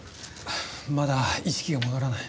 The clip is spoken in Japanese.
まだ意識が戻らない。